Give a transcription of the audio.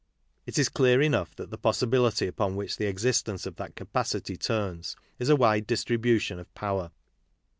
It is clear enough that the possibility upon which the existence of that capacity turns is a wide distribution of power.